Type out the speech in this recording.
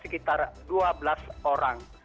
sekitar dua belas orang